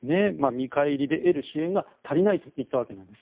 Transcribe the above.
見返りで得る支援が足りないと言ったわけなんです。